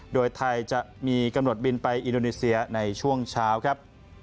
โดยไทยจะมีกำหนดบินไปอินโดนีเซียในช่วงเช้าครับ